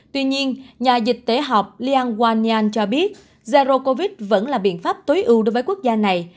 tuy nhiên nhà dịch tế họp liang wanyan cho biết zero covid vẫn là biện pháp tối ưu đối với quốc gia này